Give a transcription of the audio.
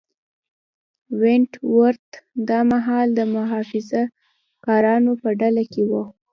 ونټ ورت دا مهال د محافظه کارانو په ډله کې و.